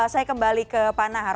saya kembali ke panahar